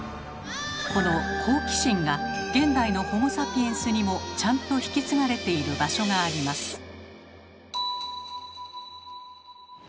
この好奇心が現代のホモ・サピエンスにもちゃんと引き継がれている場所があります。